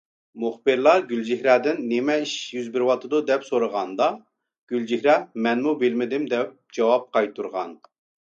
مۇخبىرلار گۈلچېھرەدىن« نېمە ئىشلار يۈز بېرىۋاتىدۇ؟» دەپ سورىغاندا، گۈلچېھرە« مەنمۇ بىلمىدىم» دەپ جاۋاب قايتۇرغان.